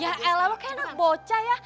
ya elah lo kayak anak bocah ya